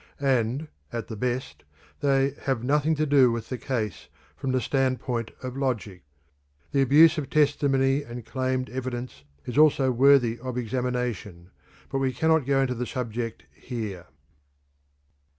And, at the best, they "have nothing to do with the case" from the standpoint of logic. The abuse of testimony and claimed evidence is also worthy of examination, but we cannot go into the subject here.